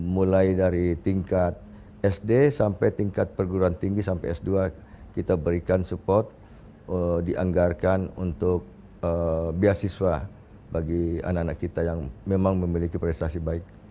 mulai dari tingkat sd sampai tingkat perguruan tinggi sampai s dua kita berikan support dianggarkan untuk beasiswa bagi anak anak kita yang memang memiliki prestasi baik